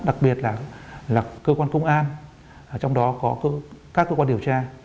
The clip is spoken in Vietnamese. đặc biệt là cơ quan công an trong đó có các cơ quan điều tra